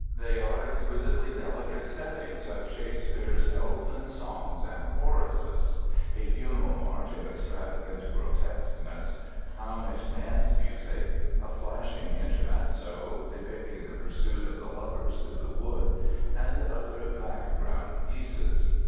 They are exquisitely delicate settings of Shakespeare's elfin songs and choruses, a "funeral march" of extravagant grotesqueness, clownish dance music, a flashing Intermezzo, depicting the pursuit of the lovers through the wood, and other "background" pieces.